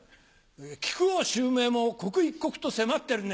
木久扇襲名も刻一刻と迫ってるね」